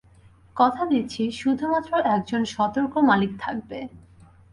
কথা দিচ্ছি, শুধুমাত্র একজন সতর্ক মালিক থাকবে।